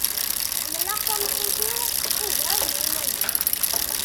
Ḥemleɣ tameṭṭut-iw ugar n yiman-iw.